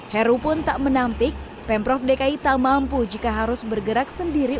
heru pun tak menampik pemprov dki tak mampu jika harus bergerak sendiri